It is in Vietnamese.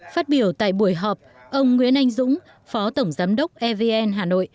phát biểu tại buổi họp ông nguyễn anh dũng phó tổng giám đốc evn hà nội